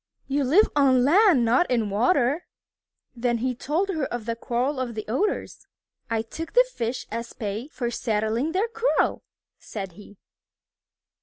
You live on land, not in the water." Then he told her of the quarrel of the Otters. "I took the fish as pay for settling their quarrel," said he.